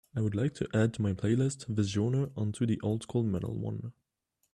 I would like to add to my plalist, Visjoner onto the old school metal one